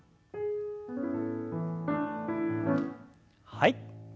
はい。